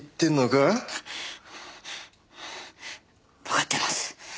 わかってます。